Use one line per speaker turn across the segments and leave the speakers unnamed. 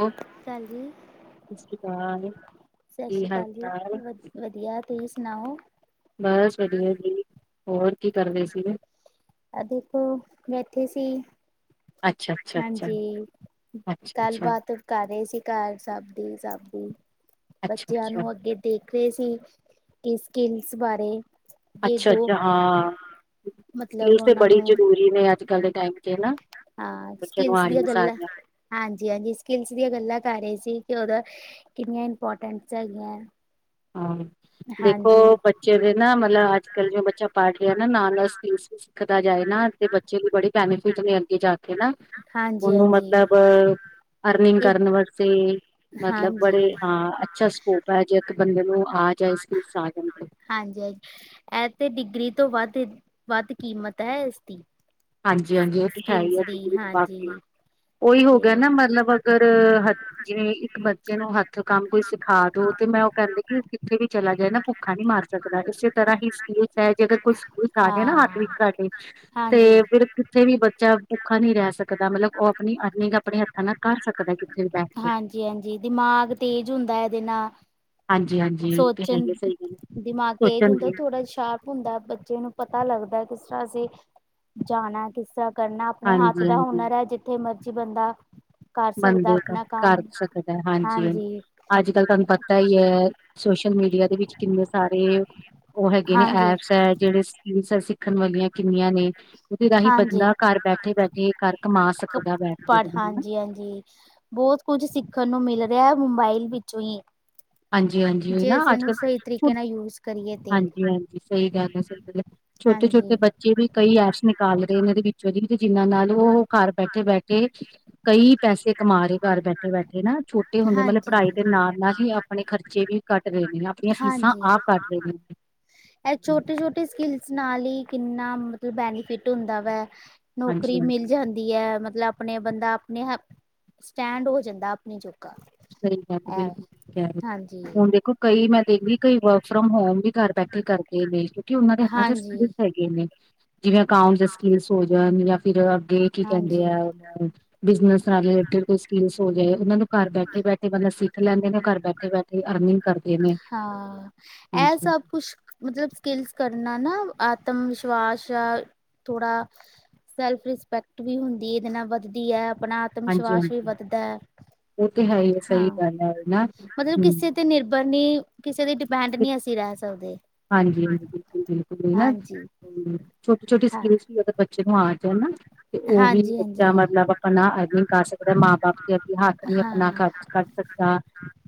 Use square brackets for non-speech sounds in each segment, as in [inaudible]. Hello,
ਭੈਨ ਜੀ
ਸਤਿ ਸ਼੍ਰੀ ਅਕਾਲ
ਸਤਿ
ਕੀ
ਸ੍ਰੀ
ਹਾਲ
ਅਕਾਲ ਜੀ
ਚਾਲ
ਵਦ ਵਦ ਵਦਿਆ ਤੁਹੀ ਸੁਨਾਓ।
ਬਸ ਵਦਿਆ ਜੀ ਹੋਰ ਕੀ ਕਰਦੇ ਸੀਗੇ।
ਇਹ ਦੇਖੋ ਬੈਠੀ ਸੀ।
ਅੱਛਾ ਅੱਛਾ ਅੱਛਾ
ਹਾਂਜੀ
ਅੱਛਾ ਅੱਛਾ
ਗੱਲਬਾਤ ਕਰ ਰੇ ਸੀ ਘਰ ਸਬ ਦੀ ਸਬ ਦੀ
ਅੱਛਾ
ਬੱਚੇਆਂ
ਅੱਛਾ
ਨੂੰ ਅੱਗੇ ਦੇਖ ਰੇ ਸੀ ਕਿ ਸਿਕਿਲਸ ਬਾਰੇ।
ਅੱਛਾ
ਗੋ
ਅੱਛਾ ਹਾਂ।
ਮਤਲਬ
ਸਿਕਿਲ ਤੇ
ਉਹਨਾਂ
ਬੜੀ
ਨੂੰ
ਜਰੂਰੀ ਨੇ ਅੱਜ ਕੱਲ ਦੇ ਟਾਈਮ ਤੇ ਨਾ। ਬੱਚਿਆਂ ਨੂੰ
ਸਿਕਿਲਸ ਦੀਆਂ
ਆਣੀਆਂ
ਗੱਲਾਂ
ਸਾਰੀਆਂ
ਹਾਂਜੀ ਹਾਂਜੀ ਸਿਕਿਲਸ ਦੀਆਂ ਗੱਲਾਂ ਕਰ ਰਹੇ ਸੀ ਕਿ ਉਹਦਾ ਕਿੰਨੀਆਂ ਇੰਪੋਰਟੈਂਟਸ ਹੈਗੀਆ।
ਹਾਂ ਦੇਖੋ ਬੱਚੇ ਦੇ ਨਾ ਮਲਬ ਅੱਜ ਕੱਲ ਜੋ ਬੱਚਾ ਪੜ੍ਹ ਰਿਹਾ ਨਾਂ ਨਾਲ ਨਾਲ ਸਿਕਿਲਸ ਸਿੱਖਦਾ ਜਾਏ ਨਾ ਤੇ ਬੱਚੇ ਦੀ ਬੜੇ ਬੈਨੀਫਿਟ ਨੇ ਅੱਗੇ ਜਾ ਕੇ ਨਾ।
ਹਾਂਜੀ
ਉਹਨੂੰ
ਹਾਂਜੀ
ਮਤਲਬ ਅਰਨਿਗ
ਇਹ
ਕਰਨ ਵਸਤੇ ਮਤਲਬ ਬੜੇ
ਹਾਂਜੀ
ਹਾਂ ਅੱਛਾ ਸ਼ ੳ ਪੈ ਜੇ ਇੱਕ ਬੰਦੇ ਨੂੰ ਆਰ
ਅਾਂਛਾ [unintelligible] [unintelligible] ਹਾਂਜੀ ਜ ਇਹ ਤੇ ਡਿਗਰੀ ਤੋਂ ਵੱਦ ਵੱਦ ਕੀਮਤ ਹੈ ਇਸਦੀ।
ਹਾਂਜੀ ਹਾਂਜੀ ਉਹ ਤੇ ਹੈ ਈ
ਸਕਿੱਲਸ
ਏ
ਦੀ
ਡਿਗਰੀ ਤੇ
ਹਾਂਜੀ
ਵਾਕਈ ਉਹੀ ਹੋ
ਤੇ
ਗਿਆ ਨਾ ਮਤਲਬ ਅਗਰ ਹਥ ਜਿਵੇਂ ਇੱਕ ਬੱਚੇ ਨੂੰ ਹੱਥ ਕੰਮ ਕੋਈ ਸਿਖਾ ਦੋ ਤੇ ਮੈਂ ਉਹ ਕਹਿੰਦੇ ਕਿ ਜਿੱਥੇ ਵੀ ਚਲਾ ਜਾਏ ਨਾ ਭੁ ਭੁੱਖਾ ਨਹੀਂ ਮਰ ਸਕਦਾ ਇਸੇ ਤਰ੍ਹਾਂ ਹੀ ਸਕਯੂਸ ਹੈ ਜੇ ਅਗਰ ਕੋਈ ਸਕਯੂਸ ਆ ਗਿਆ ਨਾ ਹੱਥ ਵਿੱਚ
ਹਾਂ
ਤਾਡੇ।
ਹਾਂਜੀ
ਫਿਰ ਕਿੱਥੇ ਵੀ ਬੱਚਾ ਭੁੱਖਾ ਨੀ ਰੈ ਸਕ ਸਕਦਾ ਮਤਲਬ ਉਹ ਆਪਣੀ ਅਰਨਿੰਗ ਆਪਣੇ ਹੱਥਾਂ ਨਾਲ ਕਰ ਸਕਦਾ ਕਿੱਥੇ ਵੀ ਬੈਠ ਕੇ।
ਜੀ, ਹਾਂਜੀ ਦਿਮਾਗ ਤੇਜ਼ ਹੁੰਦਾ ਇਹਦੇ ਨਾਲ
ਹਾਂਜੀ ਹਾਂਜੀ ਉਹ ਤੇ
ਸੋਚਣ,
ਹੈਗੀ ਸਹੀ ਗੱਲ ਹੈ
ਦਿਮਾਗ ਤੇਜ
ਸੋਚਣ
ਹੁੰਦਾ
ਦੀ
ਥੋੜਾ ਸ਼ਾਰਪ ਹੁੰਦਾ ਬੱਚੇ ਨੂੰ ਪਤਾ ਲੱਗਦਾ ਕਿਸ ਤਰ੍ਹਾਂ ਅਸੀਂ ਜਾਣਾ ਕਿਸ ਤਰ੍ਹਾਂ ਕਰਨਾ ਆਪਨੇ ਹੱਥ
ਹਾਂਜੀ
ਦਾ
ਹਾਂਜੀ
ਹੁਨਰ ਹੈ ਜਿੱਥੇ ਮਰਜੀ ਬੰਦਾ ਕਰ ਸਕਦਾ
ਬੰਦੇ
ਆਪਣਾ
ਕਰ
ਕੰਮ
ਸਕਦਾ ਏ ਹਾਂਜੀ ਹਾਂ ਅੱਜ ਕੱਲ ਤੁਹਾਨੂੰ ਪਤਾ ਈ ਐ ਸੋਸ਼ਲ ਮੀਡੀਆ ਦੇ ਵਿੱਚ ਕਿੰਨੇ ਸਾਰੇ ਉਹ ਹੈਗੇ ਨੇ
ਹਾਂਜੀ
ਐਪਸ ਹੈ ਜਿਹੜੇ ਕਿੰਨੀ ਸਾਰੀ ਸਿੱਖਣ ਵਾਲੀਆਂ ਕਿੰਨੀਆਂ ਨੇ। ਉਦੇ ਰਾਹੀਂ
ਹਾਂਜੀ
ਬੰਦਾ ਘਰ ਬੈਠੇ, ਬੈਠੇ ਘਰ ਕਮਾ ਸਕਦਾ ਬੈਠ ਕੇ
ਪਰ
ਬੰਦਾ ਹਨਾ।
ਹਾਂਜੀ ਹਾਂਜੀ [unintelligible] ਬੋਹਤ ਕੁਝ ਸਿੱਖਣ ਨੂੰ ਮਿਲ ਰਿਐ ਮੋਬਾਇਲ ਵਿੱਚੋਂ ਈ।
ਹਾਂਜੀ ਹਾਂਜੀ ਉਹ
ਜੇ ਅਸੀਂ ਇਹਨੂੰ ਸਹੀ ਤਰੀਕੇ ਨਾਲ ਯੂਜ ਕਰੀਏ ਤੇ
ਹਾਂਜੀ, ਹਾਂਜੀ ਸਹੀ ਗੱਲ ਏ, ਸਹੀ ਗੱਲ ਏ ਛੋਟੇ,
ਹਾਂਜੀ
ਛੋਟੇ ਬੱਚੇ ਵੀ ਕਈ ਐਪਸ ਨੇ ਕਾਲ ਰੇ ਨੇ ਇਹਨਾਂ ਦੇ ਵਿੱਚੋਂ ਦੀ ਤੇ ਜਿਹਨਾਂ ਨਾਲ ਉਹ ਘਰ ਬੈਠੇ ਬੈਠੇ ਕਈ ਪੈਸੇ ਕਮਾ ਰੇ ਘਰ ਬੈਠੇ ਬੈਠੇ ਨਾ ਛੋਟੇ ਹੁੰਦੇ ਮਤਲ
ਹਾਂਜੀ
ਪੜ੍ਹਾਈ ਦੇ ਨਾਲ ਨਾਲ ਹੀ ਅਪ ਅਪਨੇ ਖਰਚੇ ਵੀ ਕੱਡ ਰਏ ਨੇ ਅਪਨੀਆਂ ਫੀਸਾਂ ਆਪ ਕੱਡ ਰੇ ਨੇ।
ਐ ਛੋਟੇ, ਛੋਟੇ ਸਿਕਿਲਸ ਨਾਲ ਈ ਕਿੰਨਾ ਮਤਲਬ ਬੈਨੀਫਿਟ ਹੁੰਦਾ ਵੈ। ਨੌਕਰੀ ਮਿਲ
ਹਾਂਜੀ-ਹਾਂਜੀ
ਜਨ ਹੈ ਮਤਲਬ ਆਪਣੇ ਬੰਦਾ ਆਪਣੇ ਅਪ ਸਟੈਂਡ ਹੋ ਜਾਂਦਾ ਆਪਣੇ ਜੋਗਾ।
ਸਹੀ ਗੱਲ,
ਐ
ਬਿਲਕੁਲ ਕਹਿ ਰਹੇ
ਹਾਂਜੀ
ਹੁਣ ਦੇਖੋ ਕਈ ਮੈਂ ਦੇਖਦੀ ਕਈ ਵਰਕ ਫਰੋਮ ਹੋਮ ਵੀ ਘਰ ਬੈਠੇ ਕਰਦੇ ਨੇ ਕਿਉਂਕਿ ਉਹਨਾਂ ਦੇ ਹੱਥਾਂ ਚ ਸ
ਹਾਂਜੀ
ਜਿਵੇਂ ਅਕਾਉਂਟ ਦੇ ਸਕਿਲਸ ਹੋ ਜਾਣ ਜਾਂ ਫਿਰ ਅੱਗੇ ਕੀ ਕੇਂਦੇ
ਹਾਂਜੀ
ਐ ਬਿਜਨਸ ਨਾਲ ਰਿਲੇਟਡ ਕੋਈ ਸਕਿਲਸ ਹੋ ਜਾਏ ਉਨਾਂ ਨੂੰ ਘਰ ਬੈ ਬੈਠੇ ਮਤਲ ਸਿੱਖ ਲੈਂਦੇ ਨੇ ਘਰ ਬੈਠੇ ਬੈਠੇ ਅਰਨਿੰਗ ਕਰਦੇ ਨੇ
ਹਾਂ ਇਹ
ਹਾਂਜੀ।
ਸਭ ਕੁਛ ਮਤਲਬ ਸਕਿਲਸ ਕਰਨਾ ਨਾ ਆਤਮ ਵਿਸ਼ਵਾਸ ਥੋੜ੍ਹਾ ਸੈਲਫ ਰਿਸਪੈਕਟ ਵੀ ਹੁੰਦੀ ਇਦੇ ਨਾਲ ਵੱਧਦੀ ਐ ਆਪਣਾ ਆਤਮ
ਹਾਂਜੀ ਹਾਂਜੀ
ਵਿਸ਼ਵਾਸ ਵੀ
ਹਾਂਜੀ
ਵੱਧਦੈ।
ਉਹ ਤੇ ਹੈ ਹੀ ਸਹੀ ਗੱਲ ਹੈ ਨਾ
ਮਤਲਬ
ਹਮ।
ਕਿਸੇ ਤੇ ਨਿਰਬਰ ਨੀ ਕਿਸੇ ਦੇ ਡਿਪੈਂਡ ਨੀ ਅਸੀਂ ਰਹਿ ਸਕਦੇ।
ਹਾਂਜੀ, ਹਾਂਜੀ ਬਿਲਕੁਲ, ਬਿਲਕੁਲ ਨਾ
ਹਾਂਜੀ।
ਛੋਟੀ, ਛੋਟੀ
ਹਾਂ।
ਸਕਿਲਸ ਵੀ ਅਗਰ ਬੱਚੇ ਨੂੰ ਆ ਜਣ ਨਾ। ਤੇ ਓਵੀ
ਹਾਂਜੀ ਹਾਂਜੀ
ਬੱਚਾ ਮਤਲਬ ਆਪਨਾ ਅਰਨਿੰਗ ਕਰ ਸਕਦੈ ਮਾਂ ਬਾਪ ਦੇ ਅਗੇ ਹੱਥ ਨੀ
ਹਾਂ
ਨਾ ਖਰਚ ਕਰ ਸਕਦਾ।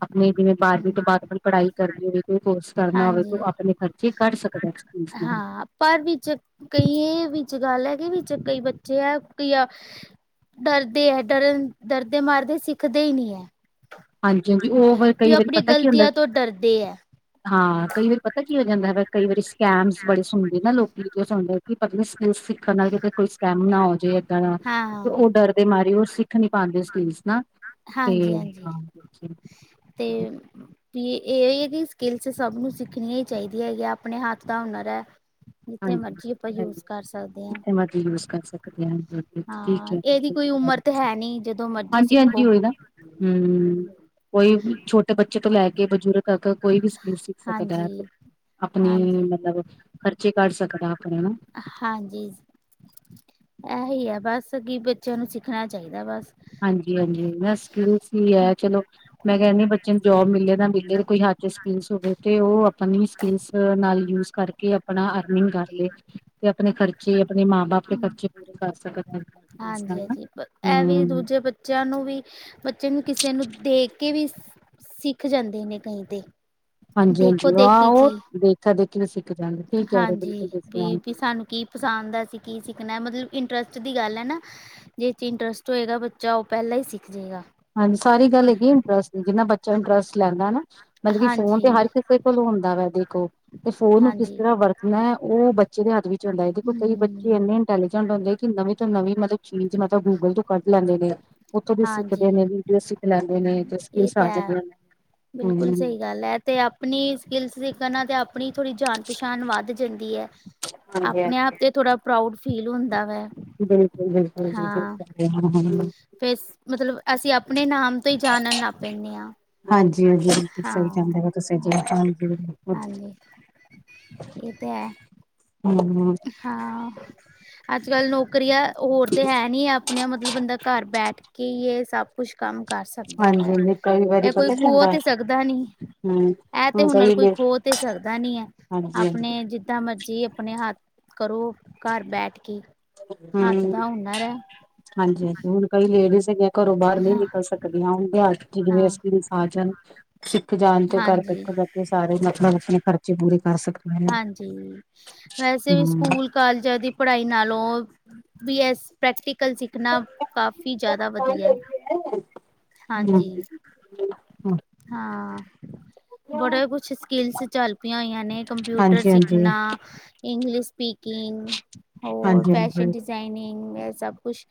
ਅਪਨੀ ਜਿਵੇਂ
ਹਮ
ਬਾਰਵੀਂ ਤੋਂ ਬਾਅਦ ਅਪਨੀ ਪੜ੍ਹਾਈ ਕਰਨੀ ਹੋਵੇ, ਕੋਈ ਕੋਰਸ ਕਰਨਾ ਹੋਵੇ
ਹਾਂਜੀ
ਤੋ ਅਪ ਖਰਚੇ ਕੱਢ ਸਕਦੈ ਐਕਸਪੈਂਸ ਨਾਲ।
ਹਾਂ ਪਰ ਵਿੱਚ ਕਈਏ ਵਿੱਚ ਗੱਲ ਐ ਗੀ ਵਿੱਚ ਕਈ ਬੱਚੇ ਐ ਕਈ ਆ ਡਰਦੇ ਹੈ ਡਰਨ ਡਰਦੇ ਮਾਰਦੇ ਸਿੱਖਦੇ ਈ ਨੀ ਹੈ।
ਹਾਂਜੀ ਹਾਂਜੀ ਓ ਵਰ
ਵੀ
ਕਈ ਵਾਰੀ
ਆਪਣੀ
ਪਤਾ ਕੀ ਹੁੰਦਾ?
ਗ਼ਲਤੀਆਂ ਤੋਂ ਡਰਦੇ ਹੈ।
ਹਾਂ, ਕਈ ਵਾਰੀ ਪਤਾ ਕੀ ਹੋ ਜਾਂਦੈ ਕਈ ਵਾਰੀ ਸਕੈਮਸ ਬੜੇ ਸੁਣਦੇ ਨਾ ਲੋਕੀ ਜੋ ਸੁਣਦੇ ਕਿ ਪਤਾ ਨੀ ਸਕਿਲਸ ਹੱਥਾਂ ਨਾਲ ਕਿਤੇ ਕੋਈ ਸਕੈਮ ਨਾ ਹੋ ਜੇ ਇੱਦਾਂ ਦਾ ਤੇ
ਹਾਂ,
ਓ ਡਰਦੇ ਮਾਰੇ ਓ ਸਿੱਖ ਨੀ ਪਾਂਦੇ ਸਕਿਲਸ ਨਾ ਤੇ [unintelligible]
ਹਾਂਜੀ-ਹਾਂਜੀ
ਹਾਂੀ
ਤੇ ਵੀ ਏਹਜੀ ਸਕਿੱਲਸ ਸਭ ਨੂੰ ਸਿੱਖਣੀਆ ਈ ਚਾਹੀਦੀਆਂ ਏ ਅਪਣੇ ਹੱਥ ਦਾ ਹੁਨਰ ਐ। ਜਿੱਥੇ
ਹਾਂਜੀ
ਮਰਜੀ ਆਪਾਂ
ਹੈ ਹੀ ਆ।
ਯੂਜ ਕਰ ਸਕਦੇ ਆਂ।
ਕਿੱਥੇ ਮਰਜ਼ੀ ਯੂਜ ਕਰ ਸਕਦੇ ਹਾਂ ਜ
ਹਾਂ ਏਦੀ ਕੋਈ ਉਮਰ ਤੇ ਹੈ ਨੀ ਜਦੋ ਮਰਜੀ
ਹਾਂਜੀ
ਸਿੱਖੋ।
ਹਾਂਜੀ ਉਹੀ ਨਾ ਹਮ ਕੋਈ ਛੋਟੇ ਬੱਚੇ ਤੋਂ ਲੈ ਕੇ ਬਜ਼ੁਰਗ ਤੱਕ ਕੋਈ ਵੀ ਸਕਿੱਲ ਸਿੱਖ ਸਕਦਾ ਐ।
ਹਾਂਜੀ,
ਅਪਨੇ
ਹਾਂਜੀ।
ਮਲਬ ਖ਼ਰਚੇ ਕੱਢ ਸਕਦਾ ਅਪਣੇ ਨਾ।
ਹਾਂਜੀ ਸਹੀ ਹੈ ਬਸ ਅ, ਕੀ ਬੱਚਿਆਂ ਨੂੰ ਸਿੱਖਣਾ ਚਾਹੀਦਾ ਬਸ।
ਹਾਂਜੀ -ਹਾਂਜੀ ਬਸ ਸਕਿਲਸ ਹੀ ਹੈ ਚਲੋ। ਮੈਂ ਕਹਿੰਦੀ ਬੱਚੇ ਨੂੰ ਜੋਬ ਮਿਲੇ ਨਾ ਮਿਲੇ, ਕੋਈ ਹੱਥ 'ਚ ਸਕਿਲ ਹੋਵੇ ਤੇ ਉਹ ਆਪ ਸਕਿਲ ਨਾਲ ਯੂਜ ਕਰਕੇ ਆਪਣਾ ਅਰਨਿੰਗ ਕਰ ਲਏ, ਤੇ ਆਪਣੇ ਖਰਚੇ ਕਿ ਆਪਣੇ ਮਾਂ ਬਾਪ ਦੇ ਖਰਚੇ ਪੂਰੇ ਕਰ ਸਕਣ।
ਹਾਂਜੀ-ਹਾਂਜੀ ਇਹ ਵੀ ਦੂਜੇੇ ਬੱਚਿਆਂ ਨੂੰ ਵੀ, ਬੱਚੇ ਨੂੰ ਕਿਸੇ ਨੂੰ ਦੇਖ ਕੇ ਵੀ। ਸਿੱਖ ਜਾਂਦੇ ਨੇ ਕਈ ਤੇ, ਦੇਖੋ
ਹਾਂਜੀ-ਹਾਂਜੀ ਆਹ
ਦੇਖੀ
ਉਹ
ਜੀ
ਦੇਖਾ ਦੇਖੀ ਵੀ ਸਿੱਖ ਜਾ
ਹਾਂਜੀ, ਵੀ- ਵੀ ਸਾਨੂੰ ਕੀ ਪਸੰਦ ਅ, ਅਸੀਂ ਕੀ ਸਿੱਖਣਾ, ਮਤਲਬ ਇੰਟਰਸਟ ਦੀ ਗੱਲ ਹੈ ਨਾ ਜਿਸ ' ਇੰਟਰਸਟ ਹੋਏਗਾ, ਬੱਚਾ ਉਹ ਪਹਿਲਾਂ ਹੀ ਸਿੱਖ ਜਾਏਗਾ
ਹਾਂਜੀ, ਸਾਰੀ ਗੱਲ ਹੈਗੀ ਇੰਟਰਸਟ, ਜਿੰਨਾ ਬੱਚਾ ਇੰਟਰਸਟ ਲੈਂਦਾ, ਮਤਲਬ ਕਿ ਫੋਨ
ਹਾਂਜੀ
ਤੇ ਹਰ ਕਿਸੇ- ਹੁੰਦਾ ਵ ਦੇਖੋ, ਤੇ ਫੋਨ ਨੂੰ ਕਿਸ
ਹਾਂਜੀ
ਤਰ੍ਹਾਂ ਵਰਤਣਾ, ਉਹ ਬੱਚੇ ਦੇ ਹੱਥ ਵਿੱਚ ਹੁੰਦਾ ਹੈ, ਦੇਖੋ ਕਈ ਬੱਚੇ ਕਿ
ਹਮ
ਇੰਨੇ ਇੰਟੈਲੀਜੈਂਟ ਹੁੰਦੇ ਕਿ ਨਵੀਂ ਤੋਂ ਨਵੀਂ, ਮਤਲਬ ਚੀਜ਼ ਮਤਲਬ ਗੂਗਲ ਤੋਂ ਕੱਢ ਲੈਂਦੇ ਨੇ, ਉੱਥੋਂ ਦੀ
ਹਾਂਜੀ
ਅਸੀਂ ਖਲਾਦੇ ਨੇ ਤੁਸੀਂ
ਇਹ ਤਾਂ
ਸਦੇ
ਹੈ
ਹ ਹਮ
ਬਿਲਕੁਲ
ਹ
ਸਹੀ
[unintelligible]
ਗੱਲ ਹੈ ਤੇ ਆਪਣੀ ਸਕਿਲ ਦੇ ਕਰਨਾ, ਤੇ ਆਪਣੀ ਥੋੜ੍ਹੀ ਜਾਣ- ਪਛਾਣ ਵੱਧ ਜਾਂਦੀ ਹੈ
ਹਾਂਜੀ
ਆਪਣੇ
ਹਾਂਜੀ
ਆਪ ਤੇ ਥੋੜਾ ਪ੍ਰਾਊਡ ਫੀਲ ਹੁੰਦਾ ਵਾ
ਬਿਲਕੁਲ- ਬਿਲਕੁਲ -ਬਿਲਕੁਲ
ਫਿਰ, ਮਤਲਬ ਅਸੀਂ ਆਪਣੇ ਨਾਮ ਤੋਂ ਹੀ ਜਾਣਨ ਲੱਗ ਪੈਂਦੇ ਹਾਂ
ਹਾਂਜੀ-ਹਾਂਜੀ ਸਹੀ
ਹਾਂ
ਕਹਿੰਦੇ ਪਏ ਹੋ ਤੁਸੀ ਜੀ
ਹਾਂ
ਹਾਂਜੀ
ਹਾਂਜੀ ਇਹ ਤੇ ਹੈ।
ਹਮ -ਹਮ।
ਹਾਂ, ਅੱਜ -ਕੱਲ ਨੌਕਰੀਆਂ ਹੋਰ ਤੇ ਹੈ ਨੀ ਆ। ਆਪਣੇ, ਮਤਲਬ ਬੰਦਾ ਘਰ ਬੈਠ ਕੇ ਹੀ ਸਭ ਕੁਛ ਕੰਮ ਕਰ ਸਕਦਾ
ਹਾਂਜੀ
ਹੈ,
ਹਾਂਜੀ, ਕਈ ਵਾਰੀ
ਇਹ ਕੋਈ
ਪਤਾ ਕੀ
ਖੋਹ
ਹੁੰਦਾ
ਤੇ ਸਕਦਾ ਨਹੀਂ।
ਹੂੰ
ਇਹ ਤੇ
ਹੁਣ
ਹੁਨਰ
ਕਈ
ਕੋਈ
ਲੇ
ਖੋਹ ਤੇ ਸਕਦਾ ਨੀ ਹੈ,
ਹਾਂਜੀ ਹਾਂਜੀ
ਆਪਣੇ ਜਿੱ ਜਿੱਦਾਂ ਮਰਜ਼ੀ ਆਪਣੇ ਹੱਥ ਕਰੋ, ਘਰ ਬੈਠ ਕੇ। ਹੱਥ
ਹਮ,
ਦਾ ਹੁਨਰ ਹੈ
ਹਾਂਜੀ -ਹਾਂਜੀ ਹੁਣ ਕਈ ਲੇਡੀਜ਼ ਹੈਗੇ ਘਰੋਂ ਬਾਹਰ ਨਹੀਂ
ਹਾਂ
ਨਿਕਲ ਸਕਦੀਆਂ, ਹੁਣ ਬਿਹਾਰ ਜਿਵੇਂ
ਹਾਂ
ਅਸੀਂ ਸਾਜਨ ਸਿੱਖ ਜਾਣ 'ਚ ਘਰ
ਹਾਂਜੀ
ਬੈਠੇ -ਬੈਠੇ ਸਾਰੇ ਮਤਲਬ ਆਪਣੇ ਖਰਚੇ ਪੂਰੇ ਕਰ ਸਕਣ।
ਹਾਂਜੀ, ਵੈਸੇ ਵੀ
ਹਮ
ਸਕੂਲ ਕਾਲਜਾਂ ਦੀ ਪੜ੍ਹਾਈ ਨਾਲੋਂ, ਵੀ ਐ ਪ੍ਰੈਕਟੀਕਲ ਸਿੱਖਣਾ ਕਾਫੀ ਕਾਫੀ ਜ਼ਿਆਦਾ ਵਧੀਆ।
ਹੈ। [unintelligible]
ਹਾਂਜੀ, ਹਾਂ। ਬੜੇ ਕੁਛ ਸਕਿੱਲਸ ਚੱਲ ਪਈਆਂ ਹੋਈਆਂ ਨੇ,
ਹਾਂਜੀ
ਕੰਪਿਊਟਰ
ਹਾਂਜੀ
ਸਿੱਖਣਾ ਇੰਗਲਿਸ਼ ਸਪੀਕਿੰਗ ਹੋਰ
ਹਾਂਜੀ
ਫੈਸ਼ਨ ਡਿਜ਼ਾਇਨਿੰਗ, ਇਹ ਸਭ ਕੁਛ,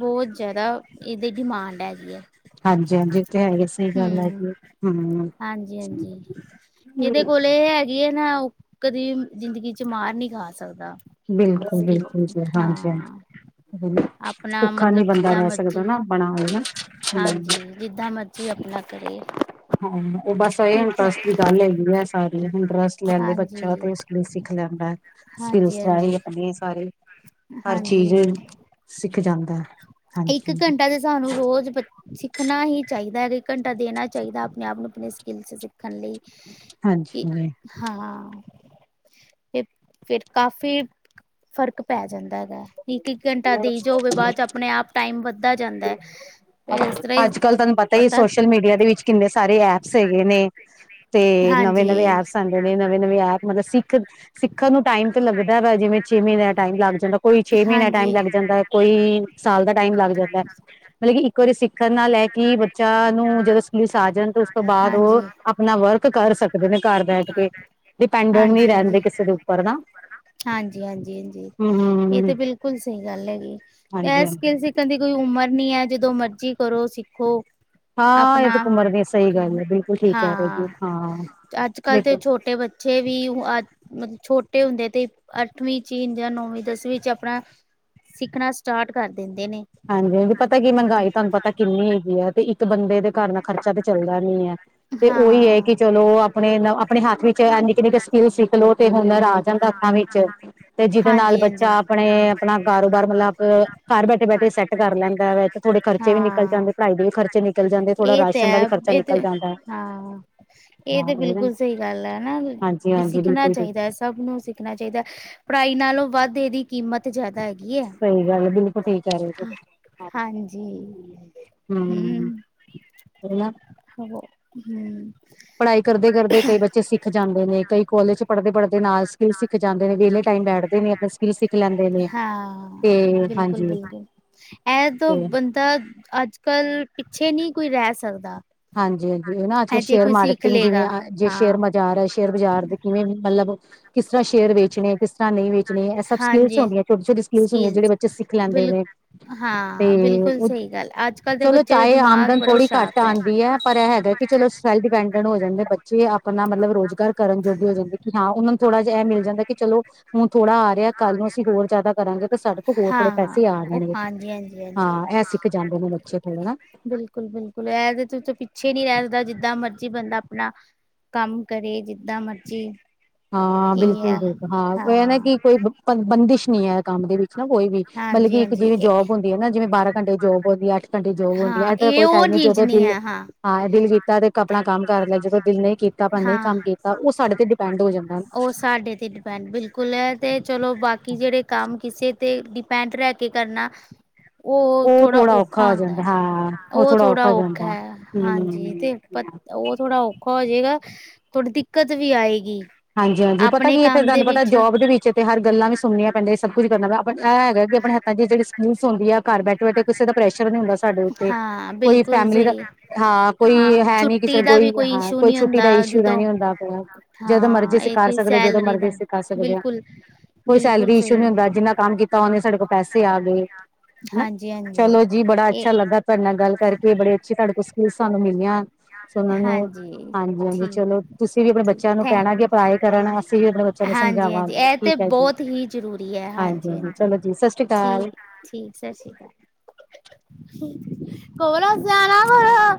ਬਹੁਤ ਜ਼ਿਆਦਾ ਇਹਦੀ ਡਿਮਾਂਡ ਹੈਗੀ ਹੈ।
ਹਾਂਜੀ -ਹਾਂਜੀ ਇਹ ਤੇ ਹੈ ਹੀ, ਸਹੀ ਗੱਲ ਹੈ
ਹਮ
ਜੀ, ਹਮ।
ਹਾਂਜੀ ਹਾਂਜੀ ਜਿਹਦੇ ਕੋਲ ਇਹ ਹੈਗੀ ਹੈ ਨਾ, ਉਹ ਕਦੀ ਜ਼ਿੰਦਗੀ 'ਚ ਮਾਰ ਨਹੀਂ ਖਾ ਸਕਦਾ।
ਬਿਲਕੁਲ
ਸਕਿੱਲ
-ਬਿਲਕੁਲ ਜੀ, ਹਾਂਜੀ
ਹਾਂ
-ਹਾਂਜੀ,
ਆਪਣਾ
ਭੁੱਖਾ ਨੀ
ਮਤਲਬ
ਬੰਦਾ
ਜਿੱਦਾਂ
ਰਹਿ ਸਕਦਾ
ਮਰਜ਼ੀ
ਨਾ। ਬਣਾਣਾ ਹ।
ਹਾਂਜੀ ਜਿੱਦਾਂ ਮਰਜ਼ੀ ਆਪਣਾ ਕਰੇ।
ਹਾਂ ਉਹ ਬਸ ਇਹ
ਹਾਂਜੀ
ਇੰਟਰਸਟ ਦੀ ਗੱਲ ਹੈਗੀ ਹੈ ਸਾਰੀ, ਇੰਟਰਸਟ ਲੈ ਲਏ ਬੱਚਾ
ਹਾਂਜੀ
ਤੇ ਸਿੱਖ ਲੈਂਦਾ, ਫਿਰ ਉਸ ਤਰ੍ਹਾਂ ਹੀ
ਹਾਂਜੀ
ਆਪਣੇ ਸਾਰੇ, ਹਰ ਚੀਜ਼
ਹਾਂਜੀ
ਸਿੱਖ ਜਾਂਦਾ ਹੈ।
ਇੱਕ
ਹਾਂਜੀ
ਘੰਟਾ ਦੇ ਸਾਨੂੰ ਰੋਜ਼ ਬ ਸਿੱਖਣਾ ਹੀ ਚਾਹੀਦਾ ਹੈ, ਇਕ ਘੰਟਾ ਦੇਣਾ ਚਾਹੀਦਾ ਆਪਣੇ ਆਪ ਨੂੰ ਆਪਣੇ ਸਕਿੱਲ ਸਿੱਖ ਕਰਨ ਲਈ, ਕਿ
ਹਾਂਜੀ
ਹਾਂ। ਤੇ ਫਿਰ ਕਾਫ਼ੀ ਫ਼ਰਕ ਪੈ ਜਾਂਦਾ ਹੈਗਾ। ਇੱਕ-ਇੱਕ ਘੰਟਾ ਦਈ ਜਾਓਗੇ ਬਾਅਦ ਚ ਆਪਣੇ ਆਪ ਟਾਈਮ ਵੱਧਦਾ ਜਾਂਦਾ ਹੈ। ਫੇਰ ਇਸ ਤਰ੍ਹਾਂ ਹੀ
ਅੱਜ-ਕੱਲ ਤੈਨੂੰ ਪਤਾ ਹੀ ਹੈ ਸੋਸ਼ਲ ਮੀਡੀਆ ਦੇ ਵਿੱਚ ਕਿੰਨੇ ਸਾਰੇ ਐਪਸ ਹੈਗੇ ਨੇ। ਤੇ ਨਵੇਂ-ਨਵੇਂ
ਹਾਂਜੀ, ਹਾਂਜੀ,
ਐਪਸ ਆਂਦੇ ਨੇ ਨਵੇਂ-ਨਵੇਂ ਐਪ ਮਤਲਬ ਸਿੱਖ ਸਿੱਖਣ ਨੂੰ ਟਾਈਮ ਤੇ ਲੱਗਦਾ ਵਾ ਜਿਵੇਂ ਛੇ ਮਹੀਨੇ ਦਾ ਟਾਈਮ ਲੱਗ ਜਾਂਦਾ, ਕੋਈ ਛੇ ਮਹੀਨੇ ਟਾਈਮ
ਹਾਂਜੀ।
ਲੱਗ ਜਾਂਦਾ ਕੋਈ ਸਾਲ ਦਾ ਟਾਈਮ ਲੱਗ ਜਾਂਦਾ। ਮਤਲਬ ਕਿ ਇੱਕ ਵਾਰੀ ਸਿੱਖਣ ਨਾਲ ਏ ਕਿ ਬੱਚਾ ਨੂੰ ਜਦੋਂ ਸਕਿਲਸ ਆ ਜਾਣ ਤੇ ਉਸ ਤੋਂ ਬਾਅਦ ਉਹ ਆਪਣਾ ਵਰਕ ਕਰ ਸਕਦੇ ਨੇ ਘਰ ਬੈਠ ਕੇ, ਡਿਪੈਂਡੈਂਟ ਨਹੀਂ
ਹਾਂਜੀ-ਹਾਂਜੀ,
ਰਹਿੰਦੇ ਕਿਸੇ ਦੇ ਉੱਪਰ ਨਾ।
ਹਾਂਜੀ-ਹਾਂਜੀ-ਹਾਂਜੀ।
ਹਮ
ਇਹ
ਹਮ
ਤੇ ਬਿਲਕੁਲ ਸਹੀ ਗੱਲ ਹੈਗੀ, ਇਹ
ਹਾਂਜੀ ਹਾਂਜੀ
ਸਿਕਿਲ ਸਿੱਖਾਣ ਦੀ ਕੋਈ ਉਮਰ ਨੀ ਹੈ ਜਦੋਂ ਮਰਜ਼ੀ ਕਰੋ ਸਿੱਖੋ।
ਹਾਂ ਇਹ
ਆਪਣਾ
ਤਾਂ ਘੁੰਮਰ ਦੀ ਸਹੀ ਗੱਲ ਹੈ ਬਿਲਕੁਲ ਠੀਕ ਕਹਿ ਰਹੇ
ਹਾਂ,
ਜੀ ਹਾਂ
ਅੱਜ-ਕੱਲ੍ਹ ਦੇ
ਦੇਖੋ
ਛੋਟੇ ਬੱਚੇ ਛੇ ਵੀ ਅਦ ਮਤਲਬ ਛੋਟੇ ਹੁੰਦੇ ਤੇ ਅੱਠਵੀਂ ਚ ਹੀ, ਜਾਂ ਨੌਵੀਂ- ਦਸਵੀਂ ਚ ਆਪਣਾ ਸਿੱਖਣਾ ਸਟਾਠ ਕਰ ਦਿੰਦੇ ਨੇ।
ਹਾਂਜੀ- ਹਾਂ, ਪਤਾ ਕੀ ਮਹਿੰਗਾਈ ਤੁਹਾਨੂੰ ਪਤਾ ਕਿੰਨੀ ਹੈਗੀ ਹੈ ਤੇ ਇੱਕ ਬੰਦੇ ਦੇ ਘਰ ਦਾ ਖਰਚਾ ਤਾਂ ਚੱਲਦਾ ਨੀ ਹੈ। ਤੇ ਉਹੀ ਹੈ
ਹਾਂ
ਕਿ ਚਲੋ, ਆਪਣੇ ਆਪਣੇ ਹੱਥ ਵਿੱਚ ਨਿੱਕੇ-ਨਿੱਕੇ ਸਕਿੱਲ ਸਿੱਖਲੋ ਤੇ ਹੁਨਰ ਆ ਜਾਂਦਾ। ਵਿੱਚ ਤੇ ਜਿਹਦੇ ਨਾਲ
ਹਾਂਜੀ ਹਾਂਜੀ
ਬੱਚਾ ਆਪਣੇ ਆਪਣਾ ਕਾਰੋਬਾਰ ਮਤਲਬ ਘਰ ਬੈਠੇ-ਬੈਠੇ ਸੈੱਟ ਕਰ ਲੈਂਦਾ ਵੇ, ਤੇ ਥੋੜੇ ਖਰਚੇ ਵੀ ਨਿਕਲ
ਹਾਂ
ਜਾਂਦੇ ਪੜਾਈ ਦੇ ਵੀ ਖਰਚ ਚੇ ਨਿਕਲ ਜਾਂਦੇ ਥੋੜਾ
ਇਹ ਤੇ
ਰਾਸ਼ਨ ਦਾ ਵੀ
ਹੈ
ਖਰਚਾ
ਇਹ ਤੇ
ਨਿਕਲ ਜਾਂਦਾ ਹੈ,
ਹਾਂ
ਹਾਂ
ਤੇ
ਇਹ ਨਾ।
ਬਿਲਕੁਲ ਸਹੀ ਗੱਲ ਹੈਨਾ
ਹਾਂਜੀ
ਵੀ
ਹਾਂਜੀ
ਸਿੱਖਣਾ
ਬਿਲਕੁਲ ਠੀਕ
ਚਾਹੀਦਾ ਹੈ ਸਭ ਨੂੰ ਸਿਖਣਾ ਸਿਖਣਾ ਚਾਹੀਦਾ, ਪੜ੍ਹਾਈ ਨਾਲੋਂ ਵੱਧ ਇਹਦੀ ਕੀਮਤ ਜ਼ਿਆਦਾ ਹੈ। ਹੈਗੀ
ਸਹੀ ਗੱਲ ਹੈ, ਬਿਲਕੁਲ ਠੀਕ ਕਹਿ ਰਹੇ ਹੋ ਤੁਸੀਂ
ਹਾਂਜੀ
ਹੂੰ। ਹੈਨਾ।
ਉਹੋ ਹੂੰ।
ਪੜ੍ਹਾਈ ਕਰਦੇ-ਕਰਦੇ ਕਈ ਬੱਚੇ ਸਿੱਖ ਜਾਂਦੇ ਨੇ ਕਈ ਕੋਲਜ ਪੜ੍ਹਦੇ-ਪੜ੍ਹਦੇ ਨਾਲ ਸਕਿੱਲ ਸਿੱਖ ਜਾਂਦੇ ਨੇ ਵੇਹਲੇ ਟਾਈਮ ਬੈਠਦੇ ਨੇ ਆਪਣੇ ਸਕਿੱਲ ਸਿੱਖ ਲੈਂਦੇ ਨੇ।
ਹੂੰ,
ਤੇ
ਬਿਲਕੁਲ-
ਹਾਂਜੀ
ਬਿਲਕੁਲ ਇਹ ਤੋਂ
ਤੇ
ਬੰਦੇ ਤਾਂ ਅੱਜ-ਕੱਲ ਪਿੱਛੇ ਨਹੀਂ ਕੋਈ ਰਹਿ ਸਕਦਾ।
ਹਾਂਜੀ-ਹਾਂਜੀ, ਨਾ ਅੱਜ-ਕਲ
ਹਜੇ
ਸ਼ੇਅਰ
ਕੋਈ ਸਿੱਖ
ਮਾਰਕੀਟਿੰਗ
ਲਏਗਾ
ਜਿਵੇਂ ਜੇ ਸ਼ੇਅਰ
ਹਾਂ
ਬਾਜ਼ਾਰ ਹੈ ਸ਼ੇਅਰ ਬਾਜ਼ਾਰ ਦੇ ਕਿਵੇਂ ਵੀ ਮਤਲਬ ਕਿਸ ਤਰ੍ਹਾਂ ਸ਼ੇਅਰ ਵੇਚਣੇ, ਕਿਸ ਤਰ੍ਹਾਂ ਨਹੀਂ ਵੇਚਣੇ ਇਹ ਸਭ ਸਕਿਲਸ
ਹਾਂਜੀ
ਹੁੰਦੀ ਛੋਟੀ-ਛੋਟੀ ਸਕਿਲਸ ਹੁੰਦੀਆਂ
ਸਕਿੱਲ
ਜਿਹੜੇ ਬੱਚੇ ਸਿੱਖ ਲੈਂਦੇ
ਬਿਲ
ਨੇ।
ਹਾਂ
ਤੇ
ਬਿਲਕੁਲ ਸਹੀ ਗੱਲ ਅੱਜ ਕੱਲ੍ਹ ਦੇ
ਚਲੋ
ਬੱਚੇ ਦਾ
ਚਾਹੇ
ਦਿਮਾਗ
ਆਮਦਨ
ਬੜਾ
ਥੋੜੀ ਘੱਟ
ਸ਼ਾਰਪ
ਆਉਂਦੀ ਹੈ। ਹੈ ਪਰ ਇਹ ਹੈਗਾ ਕਿ ਚਲੋ ਸੈਲਫ ਡਿਪੈਂਡੈਂਟ ਹੋ ਜਾਂਦੇ ਬੱਚੇ, ਆਪਣਾ ਮਤਲਬ ਰੁਜ਼ਗਾਰ ਕਰਨ ਜੋਗ ਹੋ ਜਾਂਦੇ। ਹਾਂ, ਉਹਨਾਂ ਨੂੰ ਥੋੜ੍ਹਾ ਜਿਹਾ ਇਹ ਮਿਲ ਜਾਂਦਾ ਕਿ ਚਲੋ ਹੁਣ ਥੋੜ੍ਹਾ ਆ ਰਿਹਾ ਕੱਲ੍ਹ ਨੂੰ ਹੋਰ ਜਿਆਦਾ ਕਰਾਂਗੇ ਤਾਂ ਸਾਡੇ ਕੋਲ ਹੋਰ ਥੋੜੇ
ਹਾਂ।
ਪੈਸੇ ਆ ਜਾਣਗੇ
ਹਾਂਜੀ ਹਾਂਜੀ
ਹਾਂ, ਇਹ ਸਿੱਖ ਜਾਂਦੇ ਨੇ ਬੱਚੇ ਥੋੜੇ ਨਾ।
ਬਿਲਕੁਲ-ਬਿਲਕੁਲ ਇਹਦੇ ਪਿੱਛੇ ਨਹੀਂ ਰਹਿ ਸਕਦਾ ਜਿੱਦਾਂ ਮਰਜੀ ਬੰਦਾ ਆਪਣਾ ਕੰਮ ਕਰੇ ਜਿੱਦਾਂ ਮਰਜ਼ੀ।
ਹਾਂ,
ਇਹ ਹੈ
ਬਿਲਕੁਲ-ਬਿਲਕੁਲ ਹਾਂ ਇਹ ਨਾ ਕਿ ਕੋਈ ਬੰਦਿਸ਼ ਨਹੀਂ ਹੈ ਕੰਮ ਦੇ ਵਿੱਚ ਨਾ ਕੋਈ ਵੀ। ਮਤਲਬ
ਹਾਂਜੀ
ਇੱਕ
ਹਾਂਜੀ
ਜਿਵੇਂ ਜੋਬ ਹੁੰਦੀ ਹੈ ਨਾ ਜਿਵੇਂ ਬਾਰਾਂ ਘੰਟੇ ਜੋਬ ਹੁੰਦੀ ਹੈ ਅੱਠ ਘੰਟੇ ਜੋਬ ਹੁੰਦੀ ਹੈ
ਹਾਂ
ਏਦਾ
ਇਹ
ਕੋਈ
ਉਹ
ਟਾਈਮ ਨਹੀਂ
ਚੀਜ਼
ਜਦੋਂ ਦਿਲ
ਹੈ
ਹਾਂ, ਦਿਲ ਕੀਤਾ ਤੇ ਆਪਣਾ ਕੰਮ ਕਰ ਲਿਆ ਜਦੋਂ ਦਿਲ ਨਹੀਂ ਕੀਤਾ ਆਪਾਂ ਨਹੀਂ
ਹਾਂ
ਕੰਮ ਕੀਤਾ ਉਹ ਸਾਡੇ ਤੇ ਡਿਪੈਂਡ ਡਿਪੈਡ ਹੋ ਜਾਂਦਾ।
ਉਹ ਸਾਡੇ ਤੇ ਡਿਪੈਂਡ ਬਿਲਕੁਲ ਹੈ ਅਤੇ ਚਲੋ ਬਾਕੀ ਜਿਹੜੇ ਕੰਮ ਕਿਸੇ ਤੇ ਡਿਪੈਂਡ ਰਹਿ ਕੇ ਕਰਨਾ ਉਹ ਥੋੜਾ ਔਖਾ ਹੁੰਦਾ। ਉਹ ਥੋੜਾ ਔਖਾ ਹੈ, ਹਾਂਜੀ
ਹਮ
ਤੇ ਉਹ ਥੋੜਾ ਔਖਾ ਹੋ ਜਾਏਗਾ, ਥੋੜੀ ਦਿੱਕਤ ਵੀ ਆਏਗੀ।
ਹਾਂਜੀ-ਹਾਂਜੀ, ਪਤਾ
ਆਪਣੇ
ਕੀ ਹੈ ਫੇਰ
ਕੰਮ ਦੇ
ਤੁਹਾਨੂੰ ਪਤਾ
ਵਿੱਚ
ਜੋਬ ਦੇ ਵਿੱਚ ਤੇ ਹਰ ਗੱਲਾਂ ਵੀ ਸੁਣਨੀਆਂ ਪੈਂਦੀਆਂ ਸਭ ਕੁਝ ਕਰਨਾ ਪੈਣਾ। ਇਹ ਹੈਗਾ ਕੀ ਆਪਣੇ ਹੱਥਾਂ ਦੀ ਜਿਹੜੀ ਸਕਿਲਸ ਹੁੰਦੀ ਆ ਘਰ ਬੈਠੇ-ਬੈਠੇ ਕਿਸੇ ਦਾ ਪ੍ਰੈਸ਼ਰ ਨਹੀਂ ਹੁੰਦਾ ਸਾਡੇ ਉੱਤੇ
ਹਾਂ
ਕੋਈ
ਬਿਲਕੁਲ
ਫੈਮਲੀ ਦਾ
ਸਹੀ
ਹਾਂ ਕੋਈ
ਹਾਂ
ਹੈ ਨੀ
ਛੁੱਟੀ
ਕਿਸੇ
ਦਾ
ਕੋਈ
ਵੀ
ਹੈ
ਇਸ਼ੂ
ਕੋਈ
ਨਹੀਂ
ਛੁੱਟੀ ਦਾ
ਹੁੰਦਾ
ਇਸ਼ੂ ਦਾ
ਜਦੋਂ
ਨੀ ਹੁੰਦਾ ਜਦੋਂ ਮਰਜ਼ੀ
ਹਾਂ
ਅਸੀਂ
ਇਹ
ਕਰ
ਕੋਈ
ਸਕਦੇ ਜਦੋਂ
ਸੈਲਰੀ
ਮਰਜ਼ੀ
ਦਾ
ਅਸੀਂ ਕਰ ਸਕਦੇ ਆ।
ਬਿਲਕੁਲ
ਕੋਈ
ਬਿਲਕੁਲ
ਸੈਲਰੀ
ਸਹੀ
ਇਸ਼ੂ ਨੀ ਹੁੰਦਾ ਜਿੰਨਾ ਕੰਮ ਕੀਤਾ ਓਨੇ ਸਾਡੇ ਕੋਲ ਪੈਸੇ ਆ ਗਏ। ਹਨਾ
ਹਾਂਜੀ। ਹਾਂਜੀ
ਚਲੋ ਜੀ ਬੜਾ
ਇਹ
ਅੱਛਾ ਲੱਗਾ ਤੁਹਾਡੇ ਨਾਲ ਗੱਲ ਕਰਕੇ ਬੜੇ ਅੱਛੇ ਤੁਹਾਡੇ ਕੋਲ ਸਕਿਲਸ ਸਾਨੂੰ ਮੀਲੀਆਂ। ਸੁਨਣ ਨੂੰ
ਹਾਂਜੀ
ਹਾਂਜੀ-ਹਾਂਜੀ
ਠੀਕ
ਚਲੋ ਤੁਸੀਂ ਵੀ ਆਪਣੇ ਬੱਚਿਆਂ
ਹੈ
ਨੂੰ ਕਹਿਣਾ
ਥੈਂਕ
ਕਿ
ਯੂ
ਪੜਾਈ ਕਰਨ ਅਸੀ ਵੀ ਆਪਣੇ ਬੱਚਿਆਂ ਨੂੰ
ਹਾਂਜੀ ਹਾਂਜੀ
ਸਮਝਾਵਾਂਗੇ
ਇਹ ਤੇ
ਠੀਕ ਹੈ ਜੀ,
ਬਹੁਤ ਹੀ ਜ਼ਰੂਰੀ ਹੈ ਹਾਂਜੀ
ਹਾਂਜੀ-ਹਾਂਜੀ। ਚਲੋ ਜੀ ਸਾਸ਼੍ਰੀ ਕਾਲ।
ਸਾਸ਼੍ਰੀ ਅਕਾਲ ਕੋਲਫ ਜਾਣਾ ਵਾ